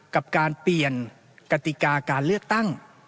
กับการเปลี่ยนกติกาการเลือกตั้ง